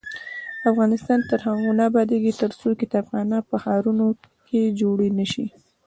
افغانستان تر هغو نه ابادیږي، ترڅو کتابخانې په ښارونو کې جوړې نشي.